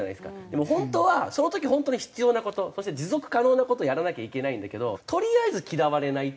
でも本当はその時本当に必要な事そして持続可能な事をやらなきゃいけないんだけどとりあえず嫌われないっていう。